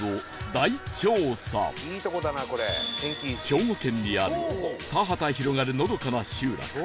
兵庫県にある田畑広がるのどかな集落